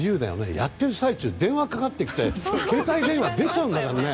やっている最中電話がかかってきて携帯電話、出ちゃうんだから。